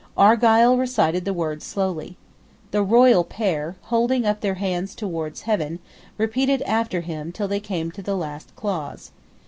Argyle recited the words slowly. The royal pair, holding up their hands towards heaven, repeated after him till they came to the last clause.